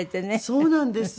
そうなんです。